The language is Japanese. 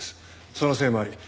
そのせいもあり宗